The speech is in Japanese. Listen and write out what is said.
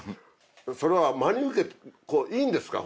それは真に受けていいんですか？